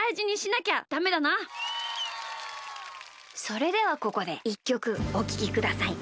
それではここで１きょくおききください。